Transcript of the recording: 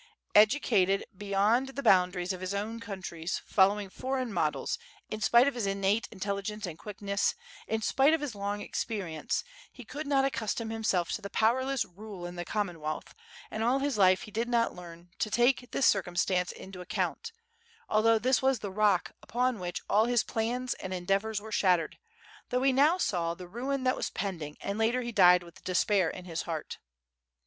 Educated beyond the boundaries of his own countries, fol lowing foreign models, in spite of his innate intelligence and quickness, in spite of his long experience, he could not ac custom himself to the powerless rule in the Commonwealth, and all his life he did not leani not to take this circumstance into account, although this was the rock upon which all his plans and endeavors were shattered — though he now saw the ruin that was pending, and later he died with despair in his heart.